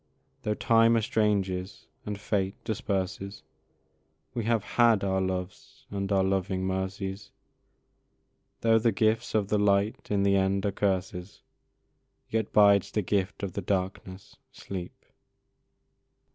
Though time estranges and fate disperses, We have HAD our loves and our loving mercies; Though the gifts of the light in the end are curses, Yet bides the gift of the darkness sleep!